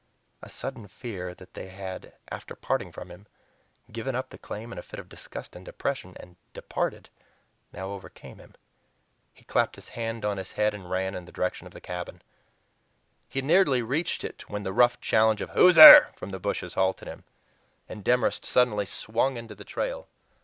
A sudden fear that they had, after parting from him, given up the claim in a fit of disgust and depression, and departed, now overcame him. He clapped his hand on his head and ran in the direction of the cabin. He had nearly reached it when the rough challenge of "Who's there?" from the bushes halted him, and Demorest suddenly swung into the trail.